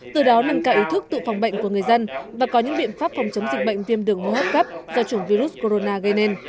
từ đó nâng cao ý thức tự phòng bệnh của người dân và có những biện pháp phòng chống dịch bệnh viêm đường hô hấp cấp do chủng virus corona gây nên